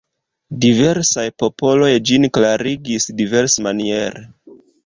Diversaj popoloj ĝin klarigis diversmaniere.